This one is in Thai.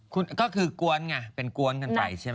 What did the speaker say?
คุณก็คือกวนไงเป็นกวนกันไปใช่ไหม